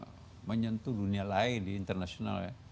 nah itu bahkan bisa menyentuh dunia lain di internasional ya